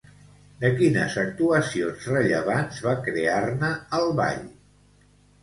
De quines actuacions rellevants va crear-ne el ball?